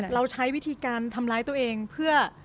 เราใช้วิธีการทำร้ายตัวเองเพื่อ